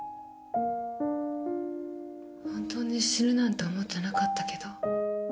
本当に死ぬなんて思ってなかったけど。